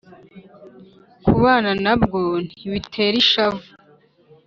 kubana na bwo ntibitera ishavu,